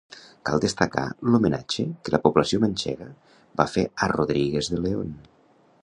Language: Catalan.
Cal destacar l'homenatge que la població manxega va fer a Rodríguez de León.